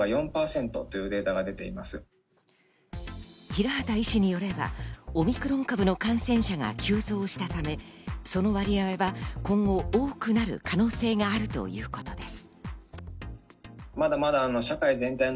平畑医師によれば、オミクロン株の感染者が急増したため、その割合は今後、多くなる可能性があるということです。